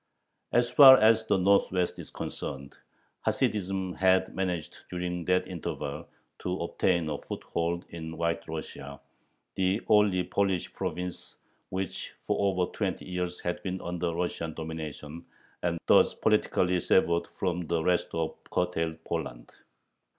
As far as the Northwest is concerned, Hasidism had managed during that interval to obtain a foothold in White Russia, the only Polish province which for over twenty years had been under Russian dominion, and thus politically severed from the rest of curtailed Poland.